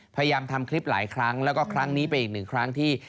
พยายามทำคลิปหลายครั้งแล้วก็ครั้งนี้เป็นอีกหนึ่งครั้งที่